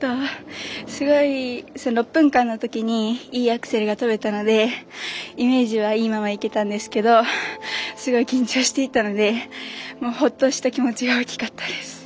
６分間のときにいいアクセルが跳べたのでイメージはいいままいけたんですけどすごい、緊張していたのでほっとした気持ちが大きかったです。